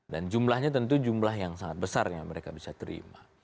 dan jumlahnya tentu jumlah yang sangat besar yang mereka bisa terima